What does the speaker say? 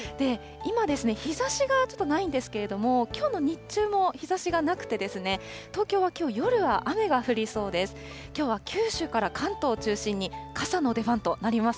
今ですね、日ざしがちょっとないんですけれども、きょうの日中も日ざしがなくてですね、東京はきょう、夜は雨が降りそうです。